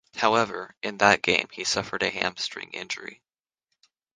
However, in that game, he suffered a hamstring injury.